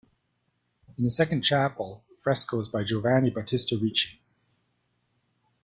In the second chapel, frescoes by Giovanni Battista Ricci.